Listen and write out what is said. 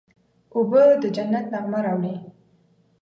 اوبه د جنت نغمه راوړي.